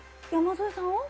山添さんを？